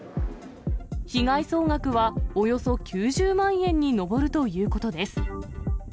被害総額はおよそ９０万円に上るということです。